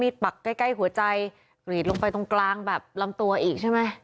ปักใกล้ใกล้หัวใจกรีดลงไปตรงกลางแบบลำตัวอีกใช่ไหม